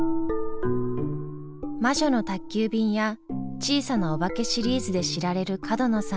「魔女の宅急便」や「小さなおばけ」シリーズで知られる角野さん。